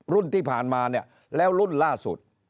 รุ่นที่ผ่านมาเนี่ยแล้วรุ่นล่าสุด